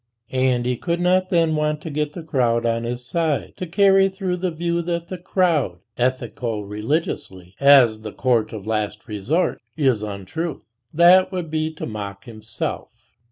And he could not then want to get the crowd on his side to carry through the view that the crowd, ethico religiously, as the court of last resort, is untruth; that would be to mock himself.